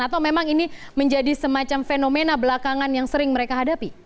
atau memang ini menjadi semacam fenomena belakangan yang sering mereka hadapi